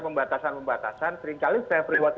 pembatasan pembatasan seringkali self rewards